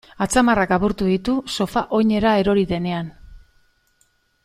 Atzamarrak apurtu ditu sofa oinera erori denean.